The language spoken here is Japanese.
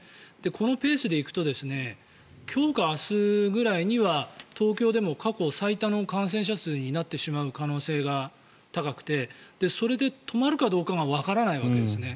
このペースで行くと今日か明日ぐらいには東京でも過去最多の感染者数になってしまう可能性が高くてそれで止まるかどうかがわからないわけですね。